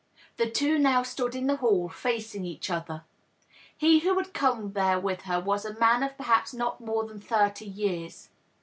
The two now stood in the hall, facing each other. He who had come there with her was a man of perhaps not more than thirty years.